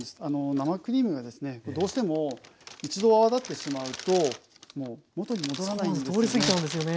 生クリームがですねどうしても一度泡立ってしまうと元に戻らないんですね。